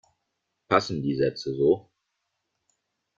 Passen die Sätze so?